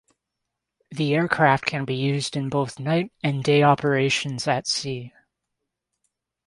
The aircraft can be used in both night and day operations at sea.